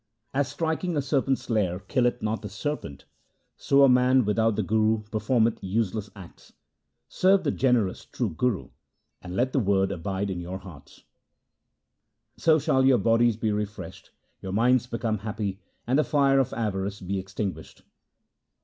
As striking a serpent's lair killeth not the serpent, so a man without the Guru performeth useless acts. Serve the generous true Guru, and let the Word abide in your hearts ; 38 THE SIKH RELIGION So shall your bodies be refreshed, your minds become happy, and the fire of avarice be extinguished.